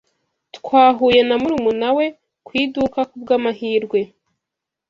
Twahuye na murumuna we ku iduka ku bw'amahirwe.